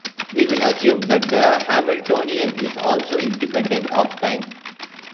We will assume that the Hamiltonian is also independent of time.